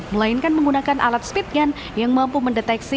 melainkan menggunakan alat speed gun yang mampu mendeteksi